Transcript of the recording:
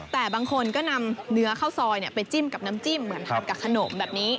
แต่บางคนก็นำเนื้อข้าวซอยไปจิ้มกับน้ำจิ้มเหมือนทานกับขนมแบบนี้